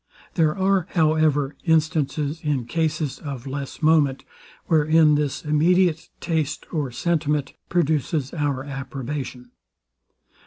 There are, however, instances, in cases of less moment, wherein this immediate taste or sentiment produces our approbation.